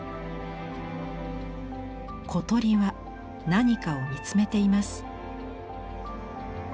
小鳥は何かを見つめています。